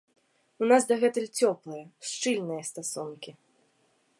У нас дагэтуль цёплыя, шчыльныя стасункі.